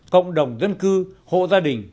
cộng đồng dân cư hộ gia đình